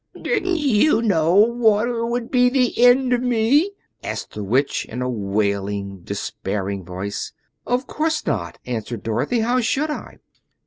"Didn't you know water would be the end of me?" asked the Witch, in a wailing, despairing voice. "Of course not," answered Dorothy. "How should I?"